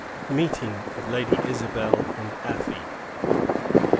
MEETING OF LADY ISABEL AND AFY.